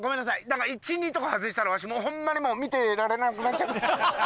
だから１２とか外したらわしホンマにもう見てられなくなっちゃって。